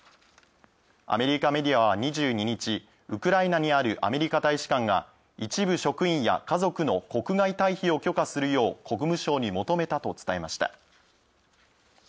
アメリカメディアは２２日、ウクライナにあるアメリカ大使館が一部職員や家族の国外退避を許可するよう国務省に求めたと伝えました。